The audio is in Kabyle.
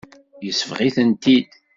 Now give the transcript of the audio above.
Yesbeɣ-itent-id.